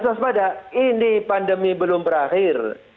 mas mada ini pandemi belum berakhir